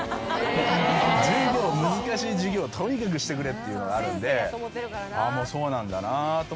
難しい授業とにかくしてくれっていうのがあるのでそうなんだなと思ってそっちをやる。